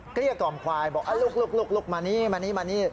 เกลี้ยกล่อมควายบอกลุกมานี่